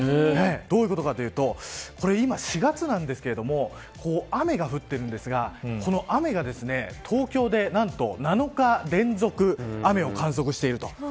どういうことかというと今４月なんですけど雨が降っているんですがこの雨が東京で何と７日連続雨を観測していると。